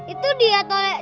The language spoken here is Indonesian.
itu dia tolek